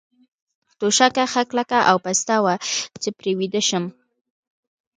توشکه ښه کلکه او پسته وه، چې پرې ویده شم.